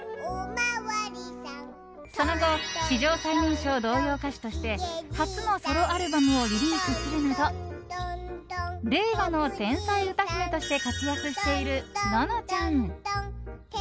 その後史上最年少童謡歌手として初のソロアルバムをリリースするなど令和の天才歌姫として活躍している、ののちゃん。